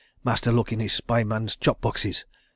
Master look in this spy man's chop boxes.